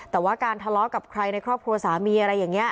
แต่ว่าการทะเลาะกับใครในครอบครัวสามีอะไรอย่างนี้